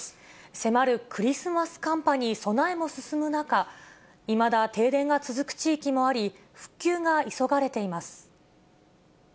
迫るクリスマス寒波に備えも進む中、いまだ停電が続く地域もあり、復旧が急がれています。